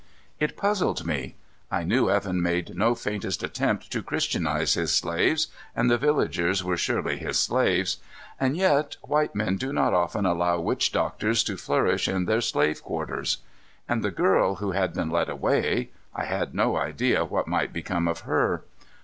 It puzzled me. I knew Evan made no faintest attempt to Christianize his slaves and the villagers were surely his slaves and yet, white men do not often allow witch doctors to flourish in their slave quarters. And the girl who had been led away I had no idea what might become of her.